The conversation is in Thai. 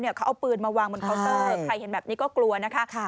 เขาเอาปืนมาวางบนเคาน์เตอร์ใครเห็นแบบนี้ก็กลัวนะคะ